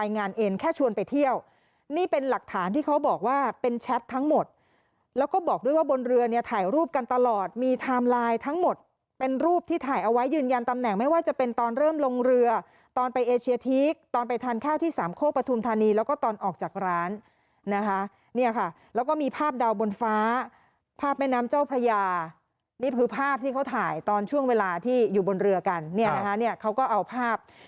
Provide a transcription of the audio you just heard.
นี่เป็นหลักฐานที่เขาบอกว่าเป็นแชททั้งหมดแล้วก็บอกด้วยว่าบนเรือเนี่ยถ่ายรูปกันตลอดมีไทม์ไลน์ทั้งหมดเป็นรูปที่ถ่ายเอาไว้ยืนยันตำแหน่งไม่ว่าจะเป็นตอนเริ่มลงเรือตอนไปเอเชียทิกตอนไปทานข้าวที่สามโคปทุมธานีแล้วก็ตอนออกจากร้านนะคะเนี่ยค่ะแล้วก็มีภาพดาวบนฟ้าภาพแม่น้ำเจ้าพระยา